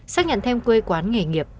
xác nhận thêm quê quán nghề nghiệp